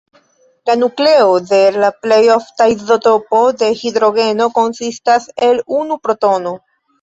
La nukleo de la plej ofta izotopo de hidrogeno konsistas el unu protono.